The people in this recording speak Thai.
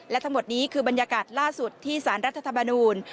และทั้งหมดนี้คือบรรยากาศล่าสุดที่สารรัฐธรรมนูล